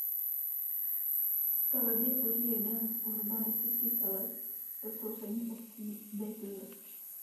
Stavebně tvoří jeden urbanistický celek se sousední obcí Bejt Josef.